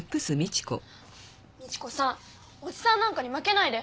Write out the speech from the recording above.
みち子さんおじさんなんかに負けないで。